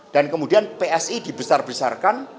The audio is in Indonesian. dan kemudian psi dibesar besarkan